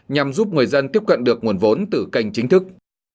nhằm giúp người dân tiếp cận được nguồn vốn từ kênh chính thức